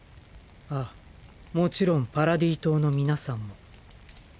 あぁもちろんパラディ島の皆さんも。